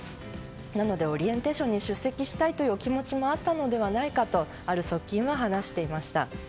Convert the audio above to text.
なので、オリエンテーションに出席したいというお気持ちもあったのではないかとある側近は話していました。